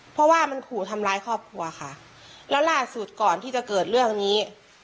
เพราะว่ามันขู่ทำร้ายครอบครัวค่ะแล้วล่าสุดก่อนที่จะเกิดเรื่องนี้